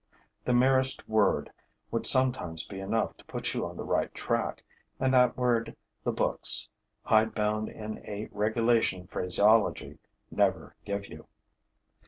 The merest word would sometimes be enough to put you on the right track; and that word the books, hidebound in a regulation phraseology, never give you.